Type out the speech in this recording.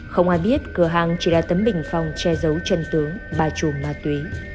không ai biết cửa hàng chỉ là tấm bình phòng che giấu chân tướng bà trùng ma túy